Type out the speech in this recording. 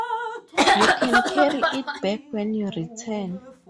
You can carry it back when you return.